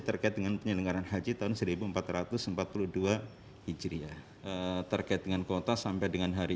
terkait dengan penyelenggaran haji tahun seribu empat ratus empat puluh dua hijriah terkait dengan kuota sampai dengan hari